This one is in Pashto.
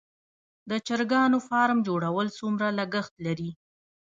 د چرګانو فارم جوړول څومره لګښت لري؟